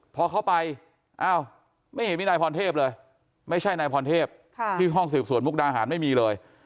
พอเข้าไปอ้าวไม่เห็นมีนายพรเทพเลยไม่ใช่นายพรเทพที่ห้องสืบสวนมุกดาหารไม่มีเลย